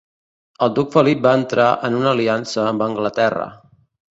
El duc Felip va entrar en una aliança amb Anglaterra.